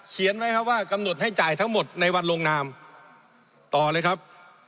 ไว้ครับว่ากำหนดให้จ่ายทั้งหมดในวันลงนามต่อเลยครับ